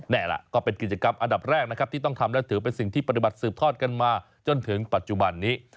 นี่แหละก็เป็นกิจกรรมอันดับแรกนะครับที่ต้องทำและถือเป็นสิ่งที่ปฏิบัติสืบทอดกันมาจนถึงปัจจุบันนี้